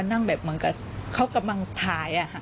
นั่งแบบเหมือนกับเขากำลังถ่าย